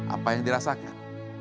apa yang dirasakan